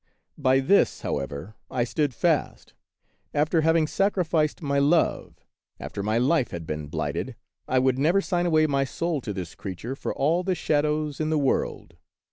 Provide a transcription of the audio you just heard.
By this, however, I stood fast ;— after having sacrificed my love, after my life had been blighted, I would never sign away my soul to this creature for all the shadows in the world.